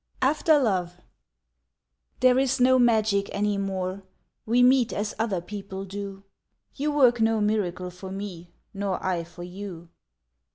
After Love There is no magic any more, We meet as other people do, You work no miracle for me Nor I for you.